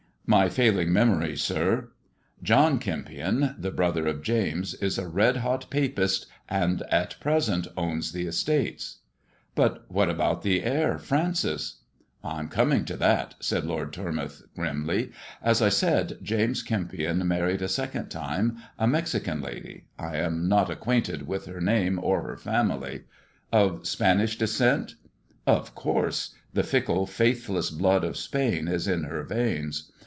*' "My failing memory, sir. John Kempion, the brother of James, is a red hot Papist, and at present owns the estates." " But what about the heir> Francis ]"" I am coming to that," said Lord Tormouth grimly. I said, James Kempion married a second time a M< lady — I am not acquainted with her name or her family.^ " Of Spanish descent 1 "" Of course ! The fickle, faithless blood of Spain is her veins.